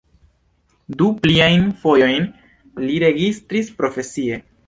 Du pliajn fojojn li registris profesie.